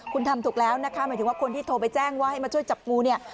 คุณทำถูกแล้วหมายถึงคนที่โทรไปแจ้งว่ามาช่วยจับงู